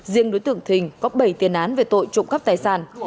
riêng đối tượng thình có bảy tiền án về tội trộm cắp tài sản